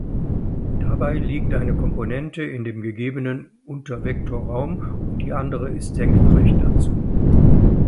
Dabei liegt eine Komponente in dem gegebenen Untervektorraum und die andere ist senkrecht dazu.